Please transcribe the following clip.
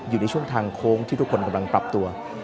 อยู่ในช่วงทางโค้งที่ทุกคนกำลังปรับตัว